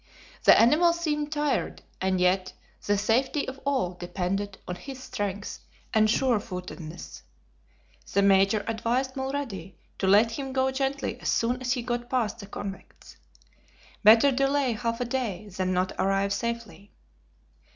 The animal seemed tired, and yet the safety of all depended on his strength and surefootedness. The Major advised Mulrady to let him go gently as soon as he got past the convicts. Better delay half a day than not arrive safely.